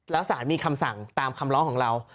แล้วสารมีคำสั่งตามคำร้องของเรา